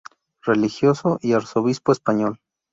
Religioso y arzobispo español.